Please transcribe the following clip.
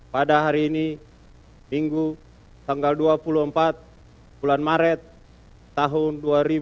pada hari ini minggu tanggal dua puluh empat bulan maret tahun dua ribu dua puluh